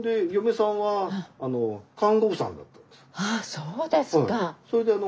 そうですか！